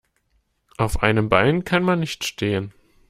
Auf einem Bein kann man nicht stehen.